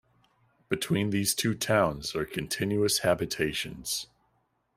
Between these two towns are continuous habitations.